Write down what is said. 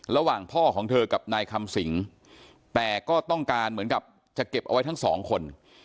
ระหว่างพ่อของเธอกับนายคำสิงแต่ก็ต้องการเหมือนกับจะเก็บเอาไว้ทั้งสองคน